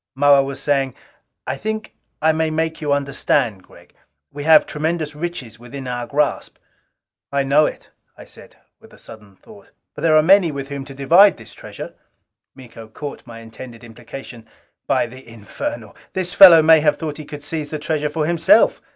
Moa was saying, "I think I may make you understand, Gregg. We have tremendous riches within our grasp." "I know it," I said with sudden thought. "But there are many with whom to divide this treasure...." Miko caught my intended implication. "By the infernal, this fellow may have thought he could seize this treasure for himself!